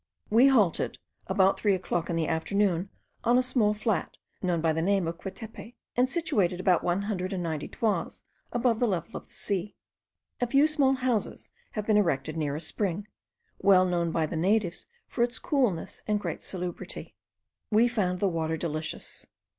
We halted, about three o'clock in the afternoon, on a small flat, known by the name of Quetepe, and situated about one hundred and ninety toises above the level of the sea. A few small houses have been erected near a spring, well known by the natives for its coolness and great salubrity. We found the water delicious.